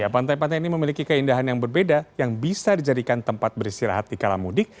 pantai pantai ini memiliki keindahan yang berbeda yang bisa dijadikan tempat bersirahat di kalamudik